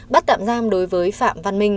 bắt tạm giam đối với phạm văn minh